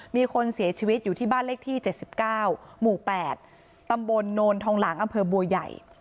มีคนเสียชีวิตอยู่ที่บ้านเลขที่๗๙หมู่๘ตำบลโนนทองหลางอำเภอบัวใหญ่